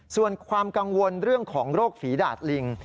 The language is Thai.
ส่วนความกังวลเรื่องของโรคฝีดาดลิง